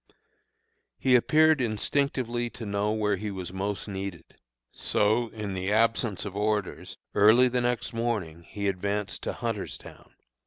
He appeared instinctively to know where he was most needed; so in the absence of orders, early the next morning he advanced to Hunterstown.